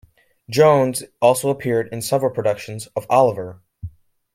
Jones also appeared in several productions of Oliver!